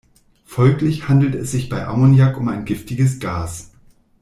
Folglich handelt es sich bei Ammoniak um ein giftiges Gas.